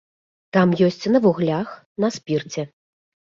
Там ёсць на вуглях, на спірце.